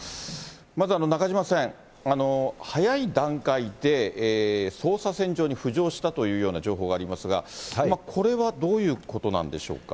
まず中島さん、早い段階で捜査線上に浮上したというような情報がありますが、これはどういうことなんでしょうか。